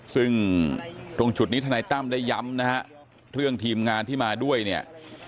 ซึ่งตรงจุดนี้ทนายตั้มได้ย้ำนะฮะเรื่องทีมงานที่มาด้วยเนี่ย